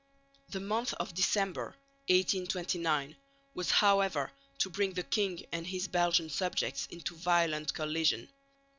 The month of December, 1829, was however to bring the king and his Belgian subjects into violent collision.